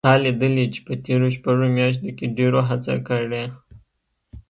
تا لیدلي چې په تېرو شپږو میاشتو کې ډېرو هڅه کړې